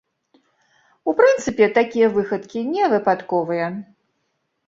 У прынцыпе, такія выхадкі не выпадковыя.